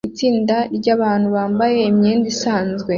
Itsinda ryabantu bambaye imyenda isanzwe